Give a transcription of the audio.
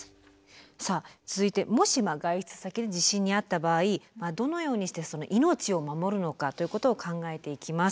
さあ続いてもし外出先で地震に遭った場合どのようにして命を守るのかということを考えていきます。